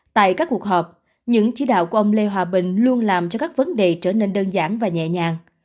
tại các cuộc họp những chỉ đạo của ông lê hòa bình luôn làm cho các vấn đề trở nên đơn giản và nhẹ nhàng